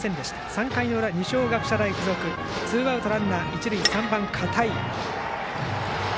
３回裏、二松学舎大付属ツーアウトランナー、一塁３番、片井。